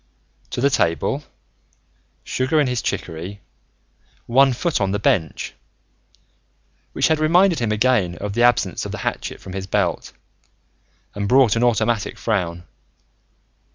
... to the table, sugar in his chicory, one foot on the bench ... which had reminded him again of the absence of the hatchet from his belt and brought an automatic frown